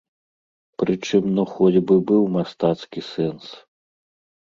Прычым ну хоць бы быў мастацкі сэнс.